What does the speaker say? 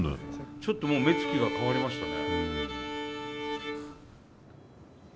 ちょっともう目つきが変わりましたね。